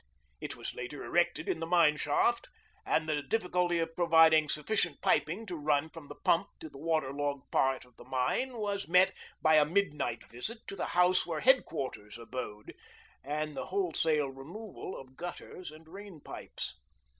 It was later erected in the mine shaft, and the difficulty of providing sufficient piping to run from the pump to the waterlogged part of the mine was met by a midnight visit to the house where Headquarters abode and the wholesale removal of gutters and rain pipes.